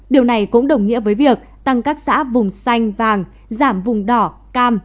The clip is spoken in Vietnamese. điều này cũng đồng nghĩa với việc tăng các xã vùng xanh vàng giảm vùng đỏ cam